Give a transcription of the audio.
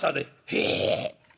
「へえ」。